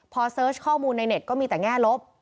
พอเสิร์ชข้อมูลในเน็ตก็มีแต่แง่ลบ